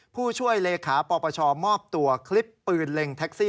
ผู้ช่วยเลขาปปชมอบตัวคลิปปืนเล็งแท็กซี่